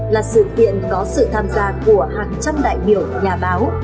là sự kiện có sự tham gia của hàng trăm đại biểu nhà báo